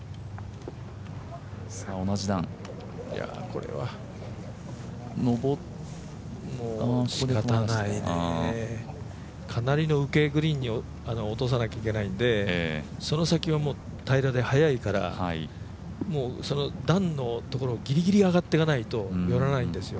これはしかたないねえかなりの右傾グリーンに落とさなきゃいけないので、その先は平らではやいから、段のところギリギリ上がっていかないと寄らないんですよ。